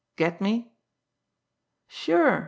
Get me?" "Sure!"